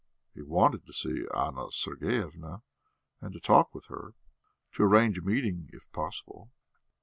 He wanted to see Anna Sergeyevna and to talk with her to arrange a meeting, if possible.